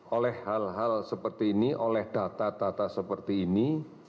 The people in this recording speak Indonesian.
oleh hal hal seperti ini oleh data data seperti ini